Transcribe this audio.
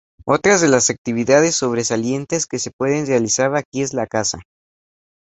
Otras de las actividades sobresalientes que se pueden realizar aquí es la caza.